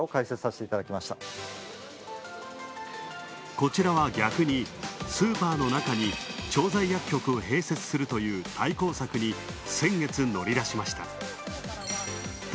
こちらは逆にスーパーの中に調剤薬局を併設するという対抗策に先月、乗り出しました。